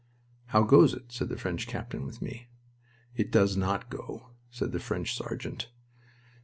"How goes it?" said the French captain with me. "It does not go," said the French sergeant.